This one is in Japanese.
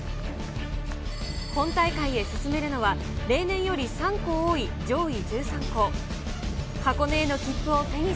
本大会へ進めるのは、例年より３校多い上位１３校。